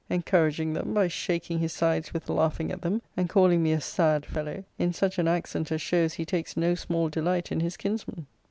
encouraging them, by shaking his sides with laughing at them, and calling me a sad fellow, in such an accent as shows he takes no small delight in his kinsman.